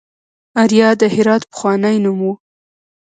اریا د هرات پخوانی نوم و